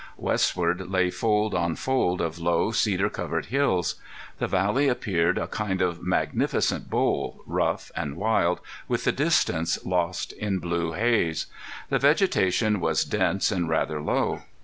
Westward lay fold on fold of low cedar covered hills. The valley appeared a kind of magnificent bowl, rough and wild, with the distance lost in blue haze. The vegetation was dense and rather low.